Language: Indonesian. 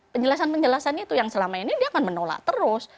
penjelasan penjelasan itu yang selama ini dia akan menolak terus